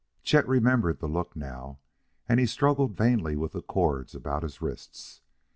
Chet remembered the look now, and he struggled vainly with the cords about his wrists.